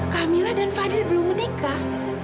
kamila dan fadil belum menikah